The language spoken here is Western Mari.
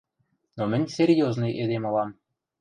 Но мӹнь серьёзный эдем ылам.